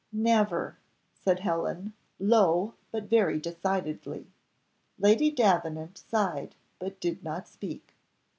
"Never!" said Helen, low, but very decidedly. Lady Davenant sighed, but did not speak.